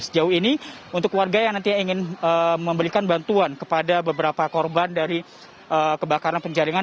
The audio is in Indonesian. sejauh ini untuk warga yang nantinya ingin memberikan bantuan kepada beberapa korban dari kebakaran penjaringan